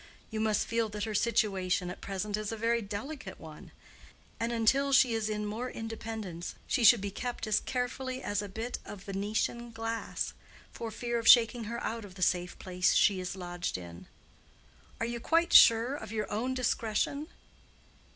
You must feel that her situation at present is a very delicate one; and until she is in more independence, she should be kept as carefully as a bit of Venetian glass, for fear of shaking her out of the safe place she is lodged in. Are you quite sure of your own discretion?